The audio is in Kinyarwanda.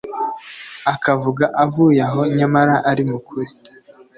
Akavuga avuye aho nyamara ari mu kuri.